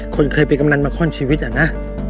คนเคยเป็นกำลังมาคล่อนชีวิตน่ะนะ